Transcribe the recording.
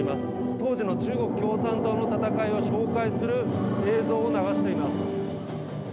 当時の中国共産党の戦いを紹介する映像を流しています。